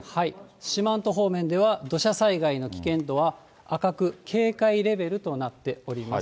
四万十方面では土砂災害の危険度は赤く警戒レベルとなっております。